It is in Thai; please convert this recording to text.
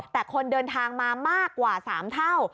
แต่คนเดินทางมามากกว่า๓เท่า